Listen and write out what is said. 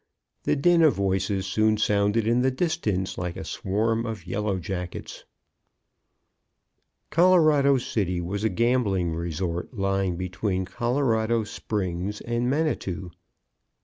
The din of voices soon sounded in the distance like a swarm of yellow jackets. Colorado City was a gambling resort lying between Colorado Springs and Manitou.